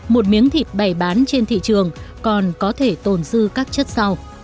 một miếng thịt bày bán trên thị trường còn có thể tồn dư các chất sau